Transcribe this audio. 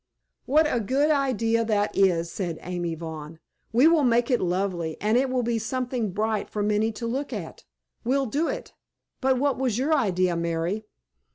"What a good idea that is!" said Amy Vaughn. "We will make it lovely, and it will be something bright for Minnie to look at. We'll do it. But what was your idea, Mary?"